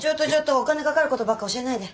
お金かかることばっか教えないで。